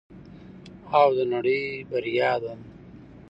او د نړۍ بریا ده.